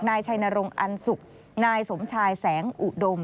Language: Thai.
นายชัยนรงค์อันสุกนายสมชายแสงอุดม